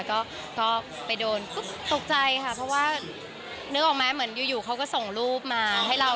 ก็ไปโดนก็ตกใจค่ะเพราะว่านึกออกไหมเหมือนอยู่เขาก็ส่งรูปมาให้เรา